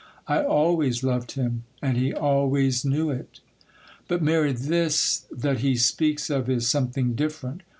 I always loved him, and he always knew it.' 'But, Mary, this that he speaks of is something different.